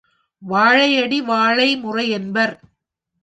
வாழையடி வாழை முறை யென்பர்.